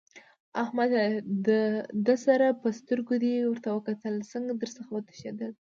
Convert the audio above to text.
احمده! د سر په سترګو دې ورته کتل؛ څنګه در څخه وتښتېدل؟!